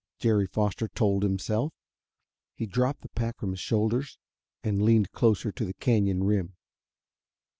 Jerry Foster told himself. He dropped the pack from his shoulders and leaned closer to the canyon rim.